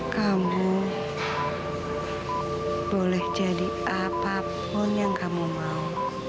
kamu boleh jadi apapun yang kamu mau